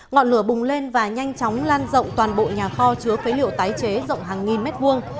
ngọn lửa bùng lên và nhanh chóng lan rộng toàn bộ nhà kho chứa phế liệu tái chế rộng hàng nghìn mét vuông